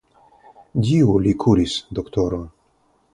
Dio li kuris, doktoro.